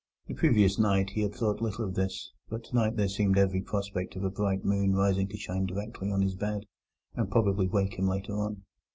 The previous night he had thought little of this, but tonight there seemed every prospect of a bright moon rising to shine directly on his bed, and probably wake him later on.